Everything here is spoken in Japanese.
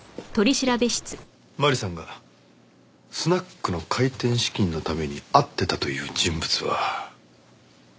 麻里さんがスナックの開店資金のために会ってたという人物は誰なんだ？